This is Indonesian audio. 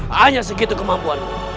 hanya segitu kemampuan